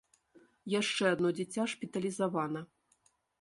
Яшчэ адно дзіця шпіталізавана.